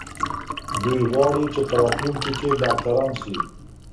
دوی غواړي چې په راتلونکي کې ډاکټران سي.